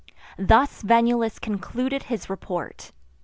Thus Venulus concluded his report.